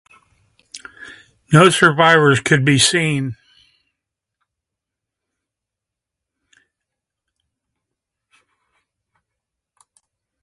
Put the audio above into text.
No survivors could be seen.